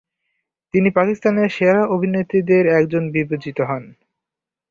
তিনি পাকিস্তানের সেরা অভিনেত্রীদের একজন বিবেচিত হন।